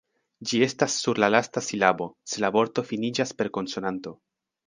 Ĝi estas sur la lasta silabo, se la vorto finiĝas per konsonanto.